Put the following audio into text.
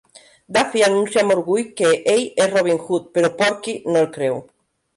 Daffy anuncia amb orgull que ell és Robin Hood, però Porky no el creu.